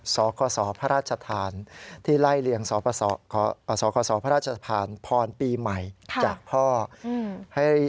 สคศพระราชทานที่ไล่เลี่ยงสคศพระราชทานพรปีใหม่จากพ่อ